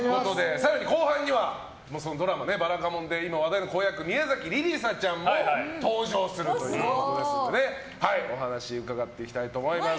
更に後半にはドラマ「ばらかもん」で今話題の子役宮崎莉里沙ちゃんも登場するということですのでお話を伺っていきたいと思います。